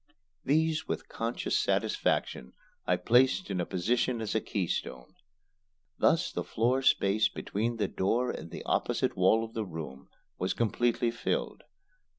These, with conscious satisfaction, I placed in position as a keystone. Thus the floor space between the door and the opposite wall of the room was completely filled.